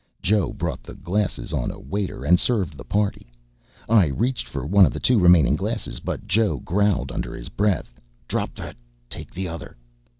Joe brought the glasses on a waiter, and served the party. I reached for one of the two remaining glasses, but Joe growled under his breath: "Drop that! Take the other."